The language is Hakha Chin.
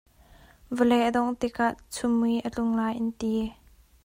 Vawlei a dongh tikah chunmui a tlung lai an ti.